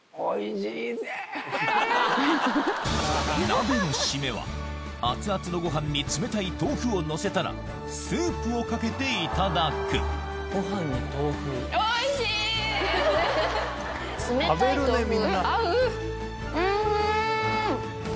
鍋の締めは熱々のご飯に冷たい豆腐をのせたらスープをかけていただく冷たい豆腐合う！